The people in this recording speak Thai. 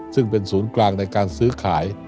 ซึ่งเป็นศูนย์กลางในการซื้อขาย